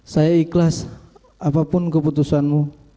saya ikhlas apapun keputusanmu